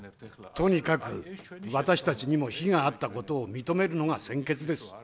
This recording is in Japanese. とにかく私たちにも非があったことを認めるのが先決です。